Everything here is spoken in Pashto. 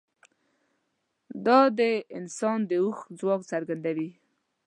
دا د انسان د هوښ ځواک څرګندوي.